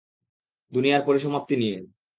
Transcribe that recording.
দুনিয়ার পরিসমাপ্তি নিয়ে!